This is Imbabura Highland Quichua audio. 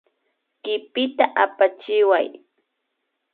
Kipita apachiway